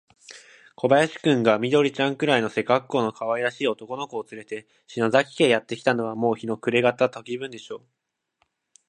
小林君が、緑ちゃんくらいの背かっこうのかわいらしい男の子をつれて、篠崎家へやってきたのは、もう日の暮れがた時分でした。